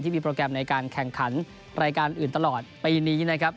มีโปรแกรมในการแข่งขันรายการอื่นตลอดปีนี้นะครับ